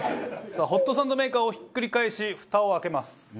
さあホットサンドメーカーをひっくり返しフタを開けます。